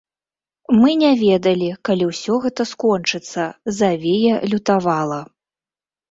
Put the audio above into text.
Мы не ведалі, калі ўсё гэта скончыцца, завея лютавала.